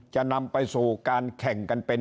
จะนำไปสู่การแข่งกันเป็น